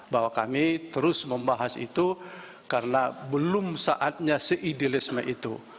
bahwa kami terus membahas itu karena belum saatnya se idealisme itu